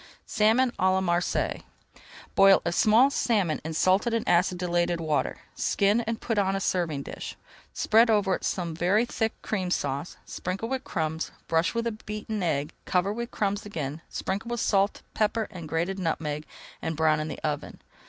SALMON À LA MARSEILLES Boil a small salmon in salted and acidulated water. Skin and put on a serving dish. Spread over it some very thick Cream Sauce, sprinkle with crumbs, brush with beaten egg, cover with crumbs again, sprinkle with salt, pepper, and grated nutmeg, and brown in the oven.